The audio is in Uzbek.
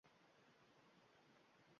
Oilasini qoʻyib, bemorlarga yordam berdi